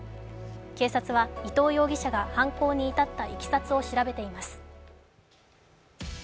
警察は伊藤容疑者が、犯行に至ったいきさつを調べています。